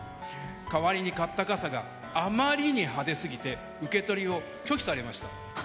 代わりに買った傘があまりに派手すぎて受け取りを拒否されました。